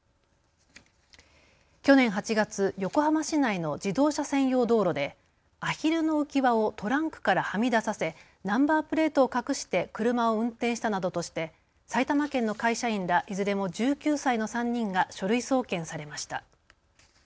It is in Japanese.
去年８月、横浜市内の自動車専用道路でアヒルの浮き輪をトランクからはみ出させナンバープレートを隠して車を運転したなどとして埼玉県の会社員らいずれも１９歳の３人が書類送検されました。